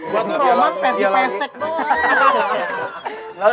buat roman pesek pesek doang